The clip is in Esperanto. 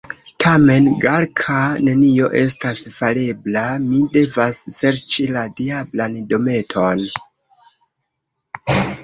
Tamen, Galka, nenio estas farebla, mi devas serĉi la diablan dometon!